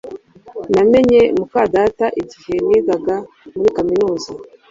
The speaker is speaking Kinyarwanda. Namenye muka data igihe nigaga muri kaminuza